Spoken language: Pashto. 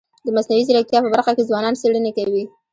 د مصنوعي ځیرکتیا په برخه کي ځوانان څېړني کوي.